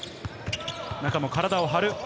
中も体を張る。